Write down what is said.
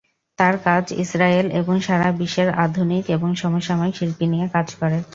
তার কাজ ইজরায়েল এবং সারা বিশ্বের আধুনিক এবং সমসাময়িক শিল্প নিয়ে কাজ করে।